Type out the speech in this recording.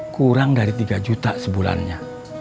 kurang dari tiga juta sebulannya